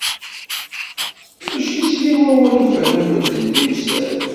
Mačči s yir awal iferrun medden timsal.